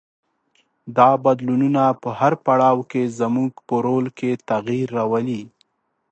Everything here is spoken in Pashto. دا بدلونونه په هر پړاو کې زموږ په رول کې تغیر راولي.